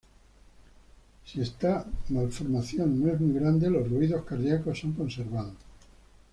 Si esta malformación no es muy grande, los ruidos cardiacos son conservados.